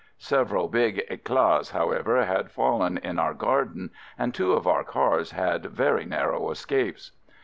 Several big eclats, however, had fallen in our garden and two of our cars had very narrow escapes.